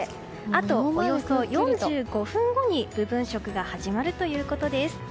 あと、およそ４５分後に部分食が始まるということです。